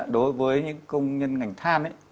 đối với những công nhân ngành than